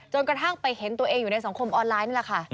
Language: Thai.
กระทั่งไปเห็นตัวเองอยู่ในสังคมออนไลน์นี่แหละค่ะ